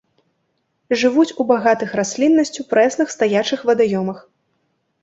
Жывуць у багатых расліннасцю прэсных стаячых вадаёмах.